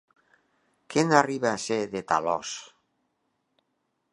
Que n'arriba a ser, de talòs!